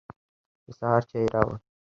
د سهار چای يې راوړ.